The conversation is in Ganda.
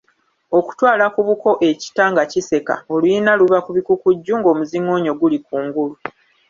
Okutwala ku buko ekita nga kiseka oluyina luba kubikukujju, ng'omuzingoonyo guli ku ngulu.